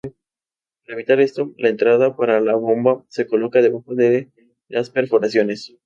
Para evitar esto, la entrada para la bomba se coloca debajo de las perforaciones.